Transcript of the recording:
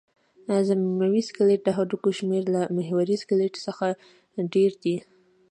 ضمیموي سکلېټ د هډوکو شمېر له محوري سکلېټ څخه ډېر دی.